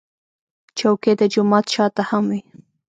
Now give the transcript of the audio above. چوکۍ د جومات شا ته هم وي.